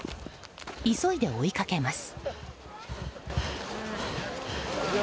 急いで追いかけます。